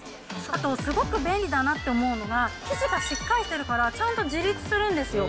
あと、すごく便利だなと思うのが、生地がしっかりしてるから、ちゃんと自立するんですよ。